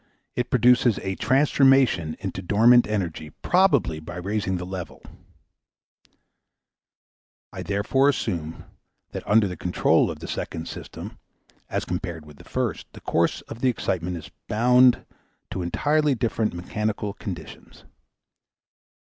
_ it produces a transformation into dormant energy, probably by raising the level. I therefore assume that under the control of the second system as compared with the first, the course of the excitement is bound to entirely different mechanical conditions.